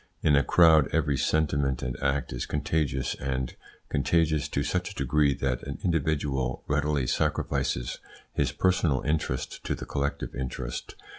In a crowd every sentiment and act is contagious, and contagious to such a degree that an individual readily sacrifices his personal interest to the collective interest.